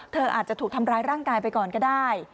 เธออาจจะถูกทำร้ายร่างกายไปก่อนก็ได้